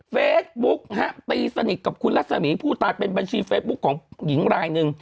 เฟซบุ๊กตีสนิทกับคุณรัศมีผู้ตายเป็นบัญชีเฟซบุ๊คของหญิงรายหนึ่ง